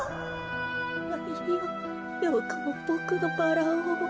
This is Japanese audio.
よよくもボクのバラを。